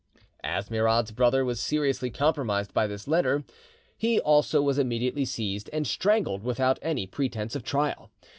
As Murad's brother was seriously compromised by this letter, he also was immediately seized, and strangled without any pretence of trial.